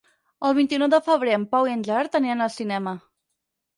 El vint-i-nou de febrer en Pau i en Gerard aniran al cinema.